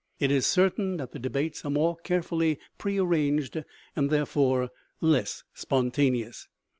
It is certain that the debates are more carefully pre arranged and therefore less spontaneous.